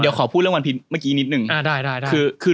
เดี๋ยวขอพูดเรื่องวันพีชเมื่อกี้นิดหนึ่งอ่าได้ได้คือคือ